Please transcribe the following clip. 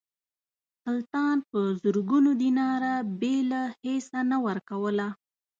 سلطان په زرګونو دیناره بېله هیڅه نه ورکول.